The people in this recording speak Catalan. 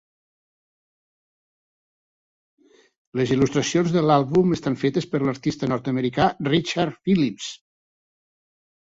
Les il·lustracions de l'àlbum estan fetes per l'artista nord-americà Richard Phillips.